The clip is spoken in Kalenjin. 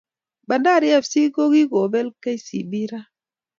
Bandari fc ko kokibel kcb raa